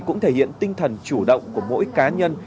cũng thể hiện tinh thần chủ động của mỗi cá nhân